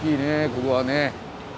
ここはね。